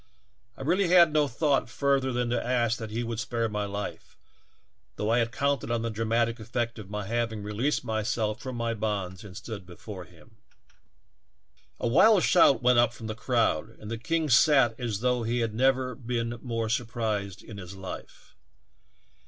I really had no 60 THE TALKING HANDKERCHIEF. thought further than to ask that he would spare my life, though I had counted on the dramatic effect of my having released myself from my bonds and stood. before him. "A wild shout went up from the crowd, and the king sat as though he had never been more sur prised in his life.